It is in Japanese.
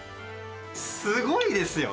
すごいですよ。